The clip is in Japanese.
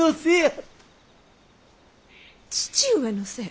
父上のせい？